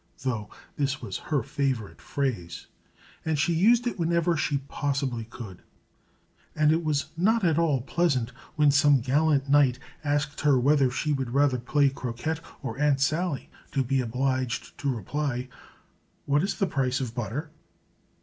though this was her favorite phrase, and she used it whenever she possibly could; and it was not at all pleasant, when some gallant knight asked her whether she would rather play croquet or Aunt Sally, to be obliged to reply, "What is the price of butter?"